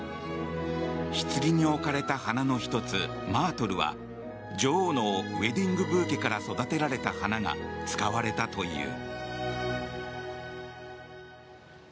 ひつぎに置かれた花の１つマートルは女王のウェディングブーケから育てられた花が使われたという。